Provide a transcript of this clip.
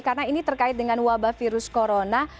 karena ini terkait dengan wabah virus corona